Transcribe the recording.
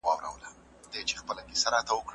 د چاپ مهال په ساینسي طریقو ثابتیږي.